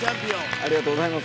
ありがとうございます